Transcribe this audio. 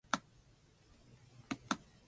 うぇ